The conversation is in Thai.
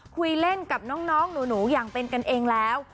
คุยเล่นกับน้องหนูอย่างเป็นกันเองแล้ว